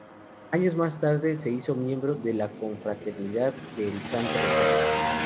Años más tarde, se hizo miembro de la Confraternidad del Santo Rosario.